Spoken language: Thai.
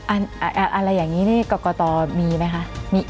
อะไรอย่างนี้นี่กรกตมีไหมคะ